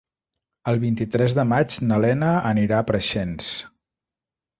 El vint-i-tres de maig na Lena anirà a Preixens.